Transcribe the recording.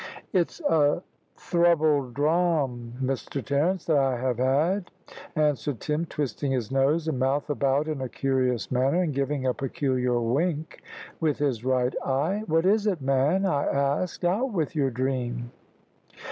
"`It's a throubled drame, Mr Terence, that I have had,' answered Tim, twisting his nose and mouth about in a curious manner, and giving a peculiar wink with his right eye. "`What is it, man?' I asked. `Out with your dream.'